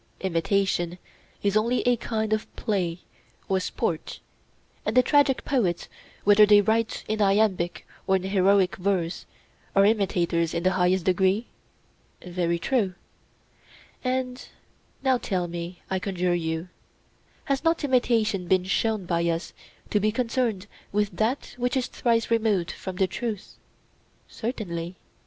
Imitation is only a kind of play or sport, and the tragic poets, whether they write in Iambic or in Heroic verse, are imitators in the highest degree? Very true. And now tell me, I conjure you, has not imitation been shown by us to be concerned with that which is thrice removed from the truth? Certainly.